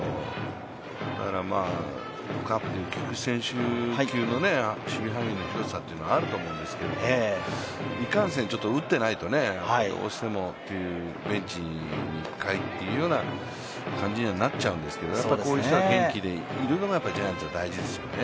だから、カープの菊池選手級の守備範囲の広さがあると思うんですけど、いかんせん、ちょっと打ってないとどうしてもという、ベンチに帰っているような感じになっちゃうんですけどこういう人が元気でいるのがジャイアンツは大事ですよね。